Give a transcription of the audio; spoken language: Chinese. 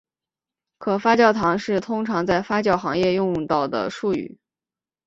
可发酵糖是通常在发酵行业用到的术语。